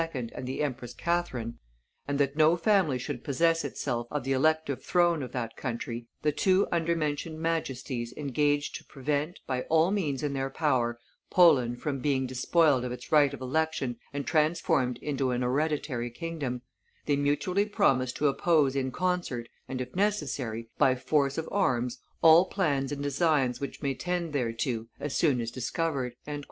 and the Empress Catherine, "and that no family should possess itself of the elective throne of that country, the two undermentioned Majesties engage to prevent, by all means in their power, Poland from being despoiled of its right of election and transformed into an hereditary kingdom; they mutually promise to oppose in concert, and, if necessary, by force of arms, all plans and designs which may tend thereto as soon as discovered."